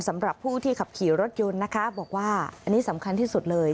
สำหรับผู้ที่ขับขี่รถยนต์นะคะบอกว่าอันนี้สำคัญที่สุดเลย